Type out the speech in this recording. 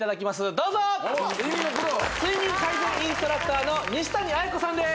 どうぞ睡眠のプロ睡眠改善インストラクターの西谷綾子さんです